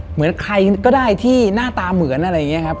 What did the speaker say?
เหมือนใครก็ได้ที่หน้าตาเหมือนอะไรอย่างนี้ครับ